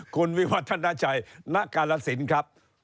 คุณวิวัฒนาชัยณกาลสินครับ